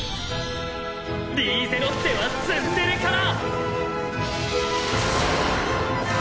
リーゼロッテはツンデレから。